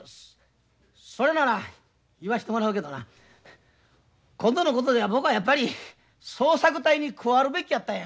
それなら言わしてもらうけどな今度のことでは僕はやっぱり捜索隊に加わるべきやったんや。